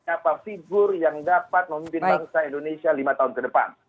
apa figur yang dapat memimpin bangsa indonesia lima tahun ke depan